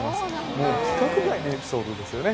もう規格外のエピソードですよね